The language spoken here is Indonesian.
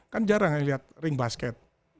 kan jarang lihat ring basket